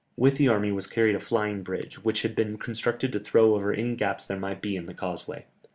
With the army was carried a flying bridge, which had been constructed to throw over any gaps there might be in the causeway.